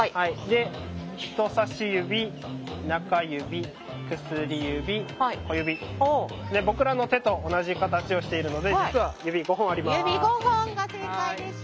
実は僕らの手と同じ形をしているので実は指５本あります。